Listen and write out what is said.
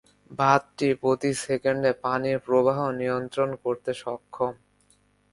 বাঁধটি প্রতি সেকেন্ডে পানির প্রবাহ নিয়ন্ত্রণ করতে সক্ষম।